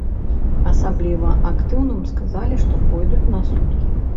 Асабліва актыўным сказалі, што пойдуць на суткі.